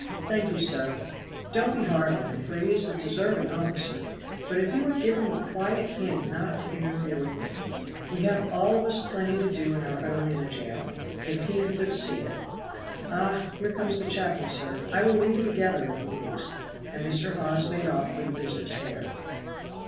"Thank you, sir; don't be hard on him, for he is a deserving officer; but if you would give him a quiet hint not to interfere with me. We have all of us plenty to do of our own in a jail, if he could but see it. Ah! here comes the chaplain, sir. I will leave you together, if you please;" and Mr. Hawes made off with a business air.